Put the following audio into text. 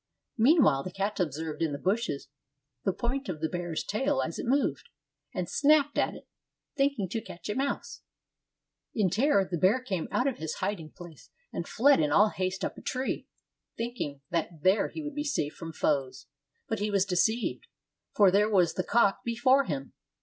Meanwhile the cat observed in the bushes the point of the bear's tail as it moved, and snapped at it, thinking to catch a mouse. In terror the bear came out of his hid ing place, and fled in all haste up a tree, thinking that there he would be safe from foes. But he was deceived, for there was the cock before him.